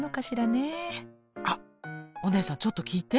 あっお姉さんちょっと聞いて。